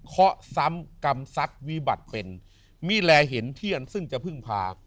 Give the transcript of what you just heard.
ซ้ำกรรมซักวิบัติเป็นมีแลเห็นเทียนซึ่งจะพึ่งพา